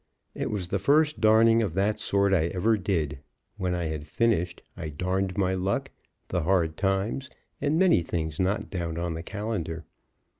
It was the first darning of that sort I ever did; when I had finished, I darned my luck, the hard times, and many things not down on the calendar.